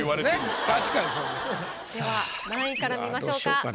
では何位から見ましょうか？